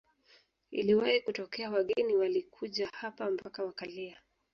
Iliwahi kutokea wageni walikuja hapa mpaka wakalia